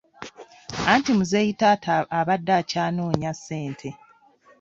Anti muzeeyi taata abadde akyanoonya ssente.